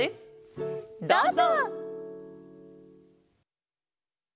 どうぞ！